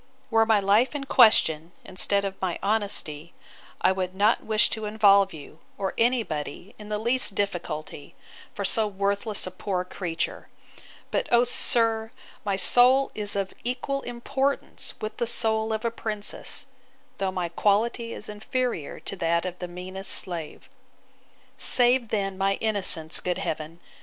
'Were my life in question, instead of my honesty, I would not wish to involve you, or any body, in the least difficulty, for so worthless a poor creature. But, O sir! my soul is of equal importance with the soul of a princess; though my quality is inferior to that of the meanest slave. 'Save then my innocence, good Heaven!